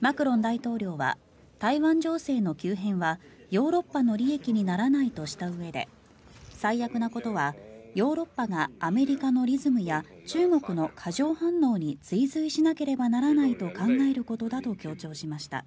マクロン大統領は台湾情勢の急変はヨーロッパの利益にならないとしたうえで最悪なことは、ヨーロッパがアメリカのリズムや中国の過剰反応に追随しなければならないと考えることだと強調しました。